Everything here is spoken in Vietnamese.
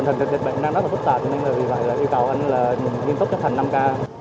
giờ tình hình dịch bệnh đang rất là phức tạp nên vì vậy yêu cầu anh nghiên cứu chấp hành năm k